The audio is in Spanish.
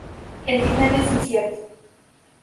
El final es incierto.